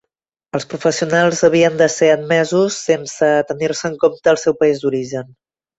Els professionals havien de ser admesos sense tenir-se en compte el seu país d'origen.